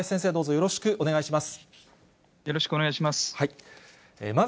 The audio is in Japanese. よろしくお願いします。